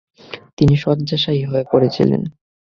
তিনি শয্যাশায়ী হয়ে পড়েছিলেন।